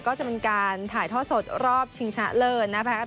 ก็จะเป็นการถ่ายทอดสดรอบชิงชนะเลิศนะคะ